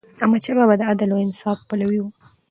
احمدشاه بابا د عدل او انصاف پلوی و.